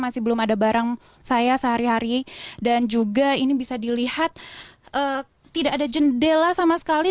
masih belum ada barang saya sehari hari dan juga ini bisa dilihat tidak ada jendela sama sekali